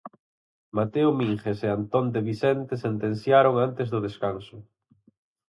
Mateo Míguez e Antón de Vicente sentenciaron antes do descanso.